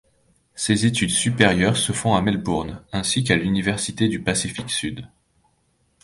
Ses études supérieures se font à Melbourne ainsi qu’à l’Université du Pacifique Sud.